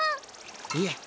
いえ。